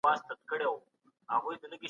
مينه د ژوند مالګه ده.